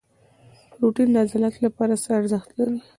پروټین د عضلاتو لپاره څه ارزښت لري؟